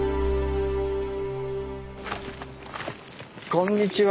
こんにちは。